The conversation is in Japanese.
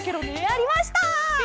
なりました！